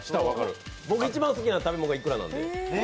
僕、一番好きな食べ物がいくらなんで。